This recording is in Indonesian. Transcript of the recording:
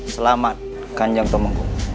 selamat kanjang tumanggung